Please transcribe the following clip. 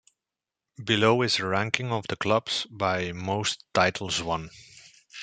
Below is a ranking of the clubs by most titles won.